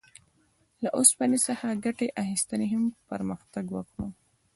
له اوسپنې څخه ګټې اخیستنې هم پرمختګ وکړ.